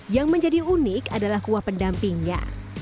yang menjadi unik adalah kuah pendampingnya